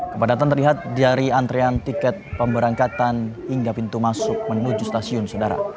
kepadatan terlihat dari antrean tiket pemberangkatan hingga pintu masuk menuju stasiun sudara